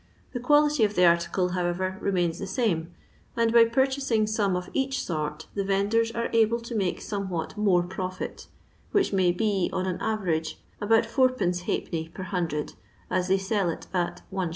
The quality of the article, boweyer, remains the same, and by purchasbg tome of each sort the Tendors are able to make somewhat more profit, which may be, on an are rage, about i\d, per hundred, as they sell it at Is.